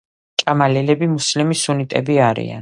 ჭამალალები მუსლიმი-სუნიტები არიან.